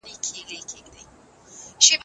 مالګه هم باید کمه وکارول شي.